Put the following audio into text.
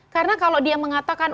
karena kalau dia mengatakan